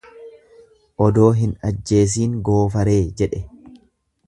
Odoo hin ajjeesiin goofaree jedhe.